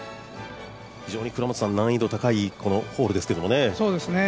非常に難易度の高いホールですけどね。